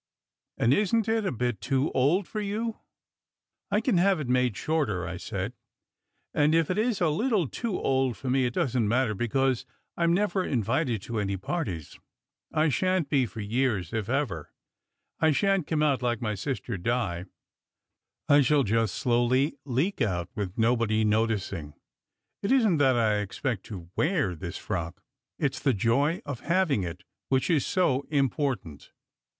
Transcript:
"And isn t it a bit too old for you?" "I can have it made shorter," I said. "And if it is a a little too old for me it doesn t matter, because I m never invited to any parties. I shan t be for years, if ever. I shan t come out like my sister Di, I shall just slowly leak out, with nobody noticing. It isn t that I expect to wear this frock. It s the joy of having it which is so important."